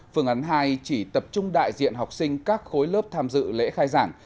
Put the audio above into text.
phương án hai chỉ tập trung đại diện học sinh các khối lớp tham dự lễ khai giảng